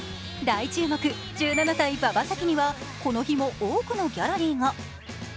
大注目、１７歳・馬場咲希にはこの日も多くのギャラリーが。